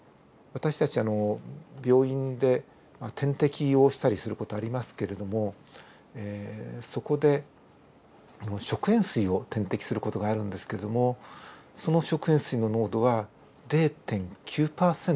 私たち病院で点滴をしたりする事ありますけれどもそこで食塩水を点滴する事があるんですけどもその食塩水の濃度は０．９％に決まってるんです。